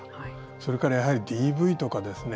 それから、やはりＤＶとかですね